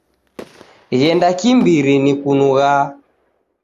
Ghenda kimbiri, nikunugha